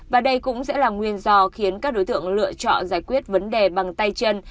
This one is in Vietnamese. và đây cũng sẽ là nguyên do khiến các đối tượng lựa chọn giải quyết vấn đề bằng tay chân